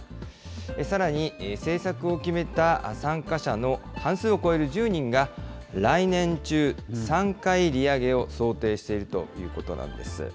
さらに政策を決めた参加者の半数を超える１０人が、来年中、３回利上げを想定しているということなんです。